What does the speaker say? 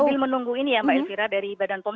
sambil menunggu ini ya pak elvira dari badan pom